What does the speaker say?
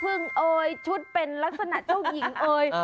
ฮึ่งโอ๊ยชุดเป็นลักษณะเจ้าหญิง